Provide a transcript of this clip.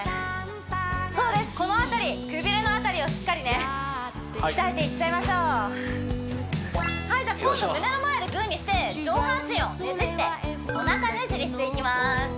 そうですこの辺りくびれの辺りをしっかりね鍛えていっちゃいましょうはいじゃあ今度胸の前でグーにして上半身をねじっておなかねじりしていきます